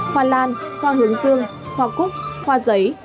hoa lan hoa hướng dương hoa cúc hoa giấy